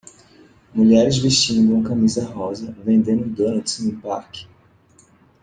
mulheres vestindo uma camisa rosa vendendo donuts em um parque.